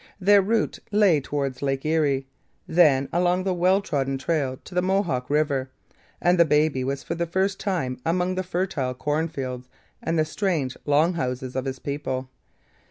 Their route lay towards Lake Erie, then along the well trodden trail to the Mohawk river; and the baby was for the first time among the fertile cornfields and the strange Long Houses of his people.